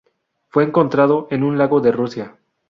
Fue encontrado en un lago de Rusia.